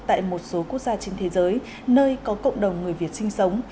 tại một số quốc gia trên thế giới nơi có cộng đồng người việt sinh sống